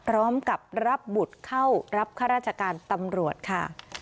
พร้อมกับรับบุตรเข้ารับข้าราชการตำรวจค่ะ